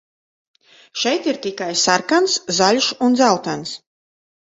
Šeit ir tikai sarkans, zaļš un dzeltens.